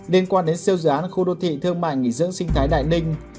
liên quan đến siêu dự án khu đô thị thương mại nghỉ dưỡng sinh thái đại ninh